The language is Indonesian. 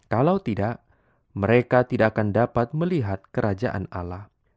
kalau tidak mereka tidak akan dapat melihat kerajaan alam